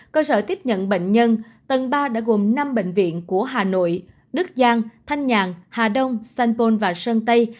cơ sở tiếp nhận bệnh nhân tầng ba đã gồm năm bệnh viện của hà nội đức giang thanh nhàn hà đông sanpon và sơn tây